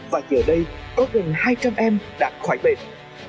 và giờ đây có gần hai trăm linh em đã khỏi bệnh